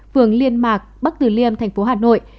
phường liên mạc bắc tử liêm tp hà nội